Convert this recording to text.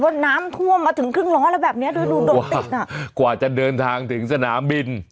เพราะว่าน้ำทั่วมาถึงครึ่งล้อแบบเนี้ยน่ะกว่าจะเดินทางถึงสนามบิน